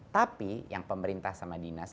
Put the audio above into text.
tapi yang pemerintah sama dinas